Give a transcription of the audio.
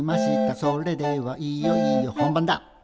「それではいよいよ本番だ」